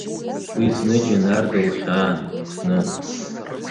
Уи зны Џьанар дылхьаан, зны…